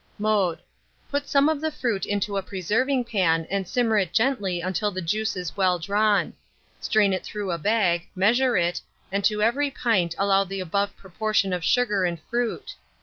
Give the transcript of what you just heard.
Mode. Put some of the fruit into a preserving pan, and simmer it gently until the juice is well drawn. Strain it through a bag, measure it, and to every pint allow the above proportion of sugar and fruit.